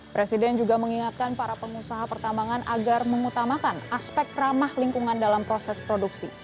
presiden juga mengingatkan para pengusaha pertambangan agar mengutamakan aspek ramah lingkungan dalam proses produksi